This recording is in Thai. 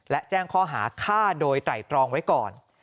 และแจ้งข้อหาฆ่าโดยไตรตรองไว้ก่อน